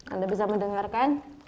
anda bisa mendengarkan